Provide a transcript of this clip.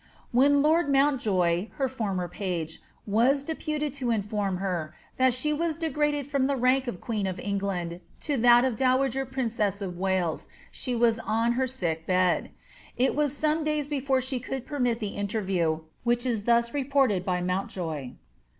When lord Montjoy, brr former page, was deputed to inform her, that she was degraded from Ike tank of queen of England to that of dowager princess of Wales, she tu on a sick bed ; it was some days before she could permit the inter view, which is thus reported by Montjoy.